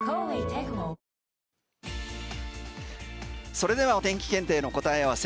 それではお天気検定の答え合わせ